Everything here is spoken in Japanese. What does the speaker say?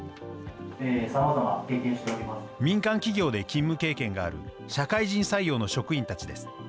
民間企業で勤務経験がある社会人採用の職員たちです。